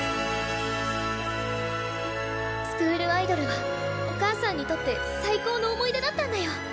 スクールアイドルはお母さんにとって最高の思い出だったんだよ。